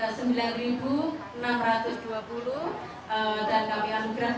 dan kami anugerahkan pihak pengharganya kepada pemerintah kabupaten jember